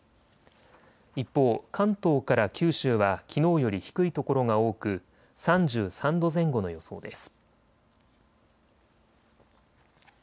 一方、関東から九州はきのうより低い所が多く３３度前後の予想です。